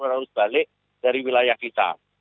harus balik dari wilayah kita